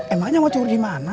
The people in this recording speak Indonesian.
emangnya mau curi dimana